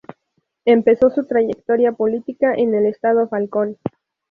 Empezó su trayectoria política en el estado Falcón.